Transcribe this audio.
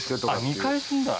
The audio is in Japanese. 見返すんだ。